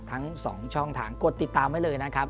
ทั้ง๒ช่องทางกดติดตามไว้เลยนะครับ